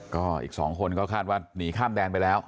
ก็อีก๒คนก็คาดว่าหนีข้ามแดนไปแล้ว